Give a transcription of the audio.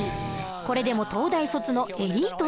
これでも東大卒のエリートなんです。